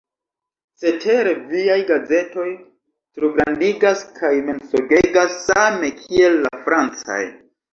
Cetere viaj gazetoj trograndigas kaj mensogegas same kiel la francaj.